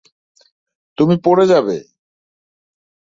তুমি পড়ে যাবে।